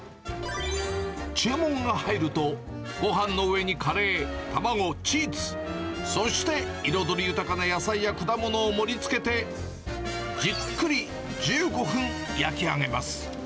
注文が入ると、ごはんの上にカレー、卵、チーズ、そして彩り豊かな野菜や果物を盛りつけて、じっくり１５分焼き上げます。